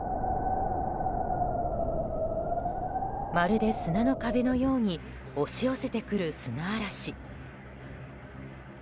まるで砂の壁のように押し寄せてくる砂嵐。